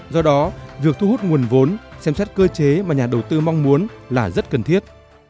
do đó việc thu hút nguồn vốn xem xét cơ chế mà nhà đầu tư mong muốn là rất cần thiết